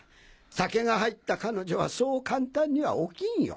酒が入った彼女はそう簡単には起きんよ。